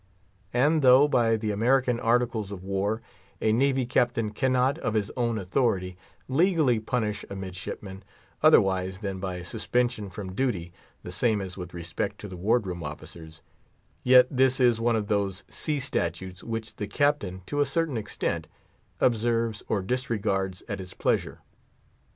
And though, by the American Articles of War, a Navy Captain cannot, of his own authority, legally punish a midshipman, otherwise than by suspension from duty (the same as with respect to the Ward room officers), yet this is one of those sea statutes which the Captain, to a certain extent, observes or disregards at his pleasure.